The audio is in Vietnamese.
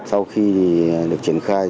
sau khi được triển khai